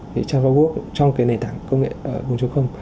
thì trans bốn work trong cái nền tảng công nghệ vùng chống không